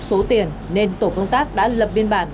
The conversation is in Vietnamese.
số tiền nên tổ công tác đã lập biên bản